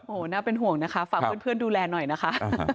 โอ้โหน่าเป็นห่วงนะคะฝากเพื่อนดูแลหน่อยนะคะ